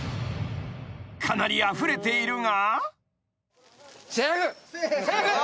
［かなりあふれているが］